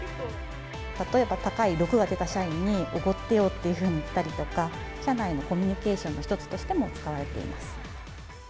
例えば、高い６が出た社員におごってよっていうふうに言ったりとか、社内のコミュニケーションの一つとして使われています。